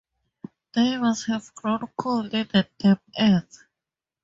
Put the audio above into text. They must have grown cold in the damp earth.